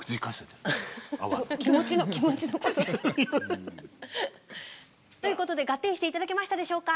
気持ちのことですか？ということでガッテンして頂けましたでしょうか？